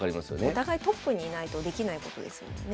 お互いトップにいないとできないことですもんね。